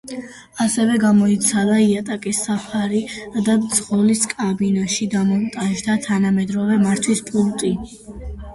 ასევე გამოიცვალა იატაკის საფარი და მძღოლის კაბინაში დამონტაჟდა თანამედროვე მართვის პულტი.